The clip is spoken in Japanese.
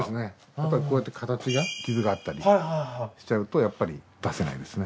あとはこうやって形が傷があったりしちゃうとやっぱり出せないですね。